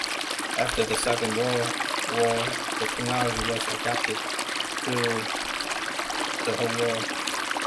After the Second World War the technology was adopted thorough the whole world.